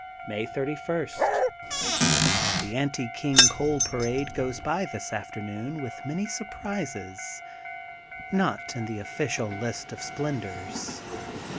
May 31 :— The Anti King Coal Parade goes by this afternoon with many surprises, not in the official list of splendors.